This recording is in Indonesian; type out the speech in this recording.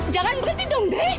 jangan berhenti dong dre